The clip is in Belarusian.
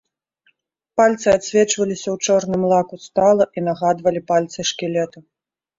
Пальцы адсвечваліся ў чорным лаку стала і нагадвалі пальцы шкілета.